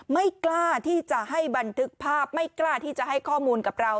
ไม่กล้าที่จะให้บันทึกภาพไม่กล้าที่จะให้ข้อมูลกับเรา